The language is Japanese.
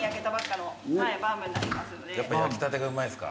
やっぱ焼きたてがうまいですか？